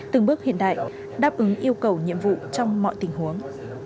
từng bước hiện đại đáp ứng yêu cầu nhiệm vụ trong mọi tình huống